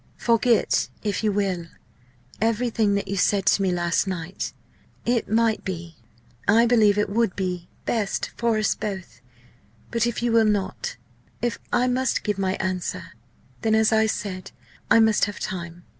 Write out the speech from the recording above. "Forget, if you will, everything that you said to me last night. It might be I believe it would be best for us both. But if you will not if I must give my answer, then, as I said, I must have time.